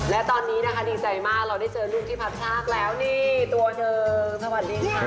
และตอนนี้นะคะดีใจมากเราได้เจอเรื่องที่พัดชากแล้วนี่ตัวหนึ่ง